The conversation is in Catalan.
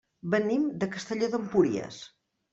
Venim de Castelló d'Empúries.